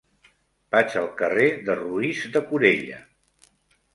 Vaig al carrer de Roís de Corella.